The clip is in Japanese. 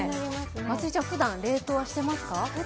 まつりちゃん、ふだん冷凍はしてますか？